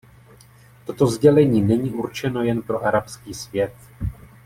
Toto sdělení není určeno jen pro arabský svět.